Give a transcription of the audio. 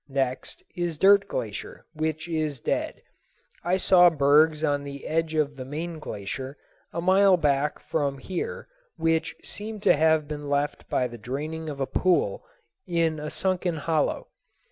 Next is Dirt Glacier, which is dead. I saw bergs on the edge of the main glacier a mile back from here which seem to have been left by the draining of a pool in a sunken hollow.